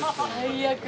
最悪。